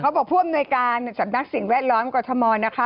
เขาบอกพ่วนบริการจากนักศิลป์แวดล้อมกรทมนะคะ